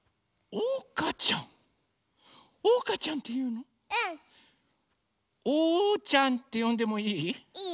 「おうちゃん」ってよんでもいい？